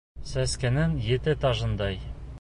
Сәскәнең ете тажындай